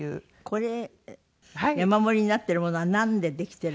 これ山盛りになっているものはなんでできているもの。